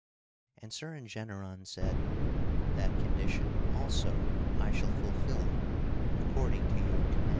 And Sir Engeneron said: "That condition also I shall fulfil according to your command."